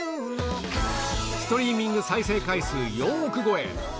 ストリーミング再生回数４億超え。